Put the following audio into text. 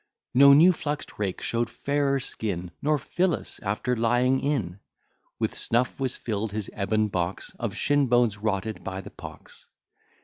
No new flux'd rake show'd fairer skin; Nor Phyllis after lying in. With snuff was fill'd his ebon box, Of shin bones rotted by the pox.